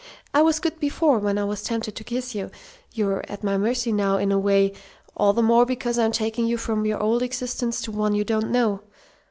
I was good before, when I was tempted to kiss you. You're at my mercy now, in a way, all the more because I'm taking you from your old existence to one you don't know.